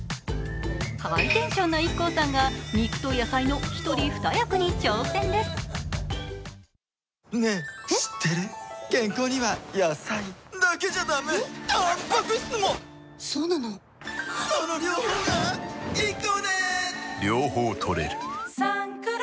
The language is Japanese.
ハイテンションのＩＫＫＯさんが肉と野菜の１人二役に挑戦です。